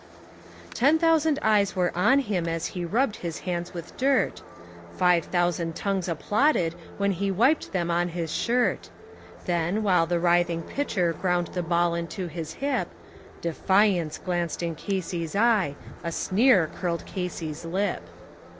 Ten thousand eyes were on him as he rubbed his hands with dirt, Five thousand tongues applauded when he wiped them on his shirt; Then, while the writhing pitcher ground the ball into his hip, Defiance glanced in Casey's eye, a sneer curled Casey's lip.